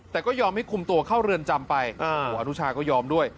แต่ก็ยอมให้คุมตัวเข้าเรือนจำไปอนุชาก็ยอมด้วย